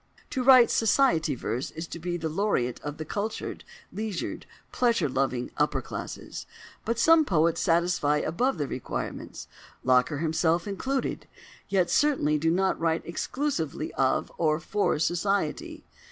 To write "society verse" is to be the laureate of the cultured, leisured, pleasure loving upper classes; but some poets satisfy the above requirements—Locker himself included—yet certainly do not write exclusively of or for "Society."